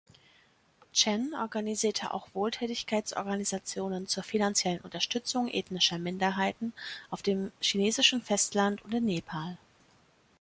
Chen organisierte auch Wohltätigkeitsorganisationen zur finanziellen Unterstützung ethnischer Minderheiten auf dem chinesischen Festland und in Nepal.